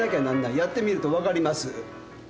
やってみると分かります。